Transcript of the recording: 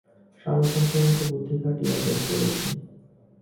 Sherlock হোমসের মতো বুদ্ধি খাটিয়ে বের করেছি।